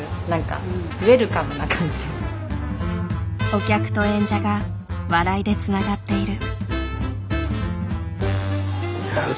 お客と演者が「笑い」でつながっている。